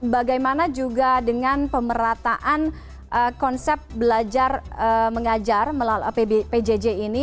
bagaimana juga dengan pemerataan konsep belajar mengajar melalui pjj ini